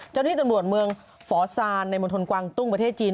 เจ้าหน้าที่ตำรวจเมืองฝาซานในมณฑลกวางตุ้งประเทศจีน